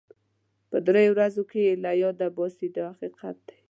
په دریو ورځو کې یې له یاده باسي دا حقیقت دی.